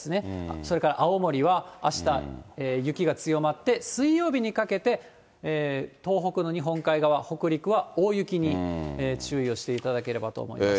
それから青森はあした、雪が強まって、水曜日にかけて、東北の日本海側、北陸は大雪に注意をしていただければと思います。